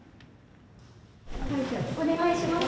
お願いします。